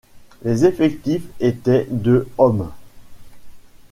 Les effectifs étaient de hommes.